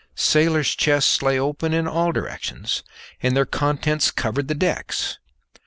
Sailors' chests lay open in all directions, and their contents covered the decks.